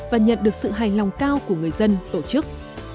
và nhận được sự hài lòng cao của người dân tổ chức